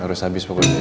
harus habis pokoknya